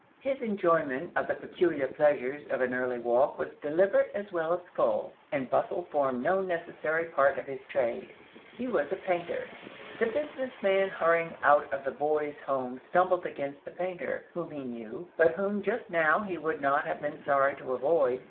His enjoyment of the peculiar pleasures of an early walk was deliberate as well as full, and bustle formed no necessary part of his trade. He was a painter. The business gentleman hurrying out of the Boys' Home stumbled against the painter, whom he knew, but whom just now he would not have been sorry to avoid.